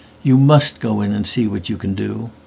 You must go in and see what you can do.